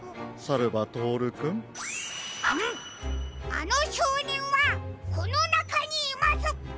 あのしょうねんはこのなかにいます！